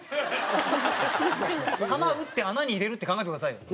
球打って穴に入れるって考えてくださいよ。